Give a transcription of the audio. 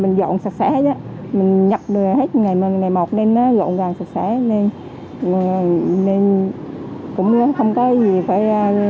hết ngày một nên rộng ràng sạch sẽ nên cũng không có gì phải